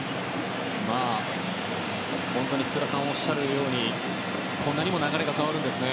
本当に福田さんがおっしゃるようにこんなにも流れが変わるんですね。